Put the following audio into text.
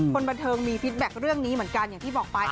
คนบันเทิงมีฟิตแบ็คเรื่องนี้เหมือนกันอย่างที่บอกไป